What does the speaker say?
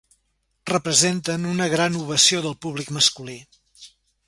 Representen una gran ovació del públic masculí.